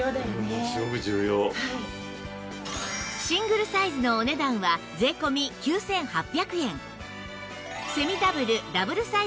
シングルサイズのお値段は税込９８００円